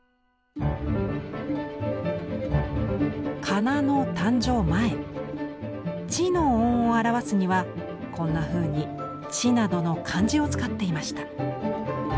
仮名の誕生前「ち」の音を表すにはこんなふうに「知」などの漢字を使っていました。